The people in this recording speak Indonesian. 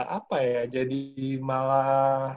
apa ya jadi malah